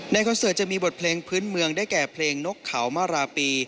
คอนเสิร์ตจะมีบทเพลงพื้นเมืองได้แก่เพลงนกเขามาราปี